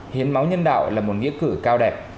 hiến máu nhân đạo là một nghĩa cử cao đẹp